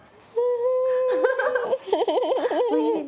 おいしい！